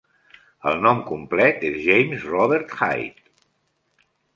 El nom complet és James Robert Hyde.